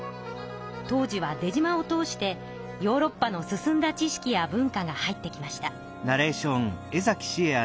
当時は出島を通してヨーロッパの進んだ知識や文化が入ってきました。